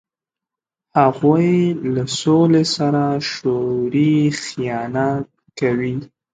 هغوی له سولې سره شعوري خیانت کوي.